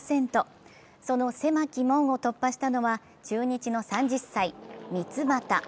その狭き門を突破したのは中日の３０歳・三ツ俣。